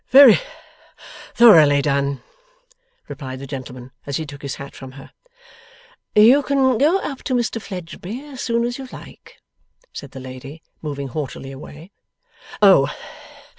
'Very thoroughly done,' replied the gentleman, as he took his hat from her. 'You can go up to Mr Fledgeby as soon as you like,' said the lady, moving haughtily away. 'Oh!